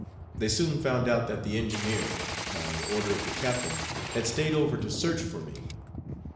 They soon found out that the engineer, by order of the captain, had stayed over to search for me.